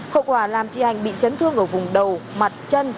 hậu quả làm chị anh bị chấn thương ở vùng đầu mặt chân